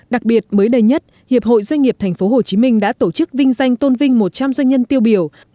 đặc biệt mới đây nhất hiệp hội doanh nghiệp tp hcm đã tổ chức vinh danh tôn vinh một trăm linh doanh nhân tiêu biểu